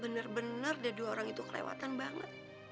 bener bener dia dua orang itu kelewatan banget